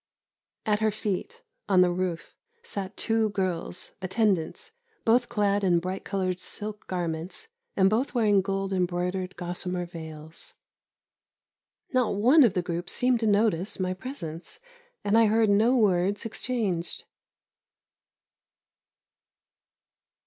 At her feet, on the roof, sat two girls, attendants, both clad in bright coloured silk garments, and both wearing gold embroidered gossamer veils. Not one of the group seemed to notice my presence, and I heard no words exchanged.